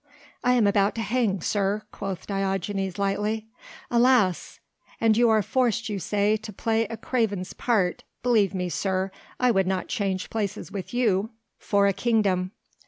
"I am about to hang, sir," quoth Diogenes lightly. "Alas!" "And you are forced, you say, to play a craven's part; believe me, sir, I would not change places with you for a kingdom."